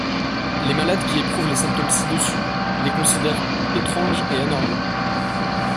Les malades qui éprouvent les symptômes ci-dessus les considèrent étranges et anormaux.